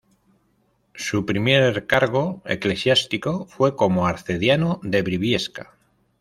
Su primer cargo eclesiástico fue como arcediano de Briviesca.